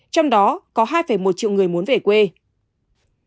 trong đó có hai một triệu người muốn về quê